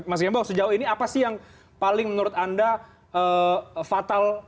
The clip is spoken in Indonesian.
mas gembong sejauh ini apa sih yang paling menurut anda fatal